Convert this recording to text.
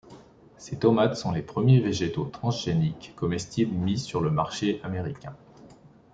Ces tomates sont les premiers végétaux transgéniques comestibles mis sur le marché américain.